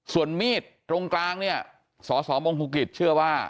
ส่วนมีดตรงกลางเนี่ยสสมงภูกิจเชื่อว่า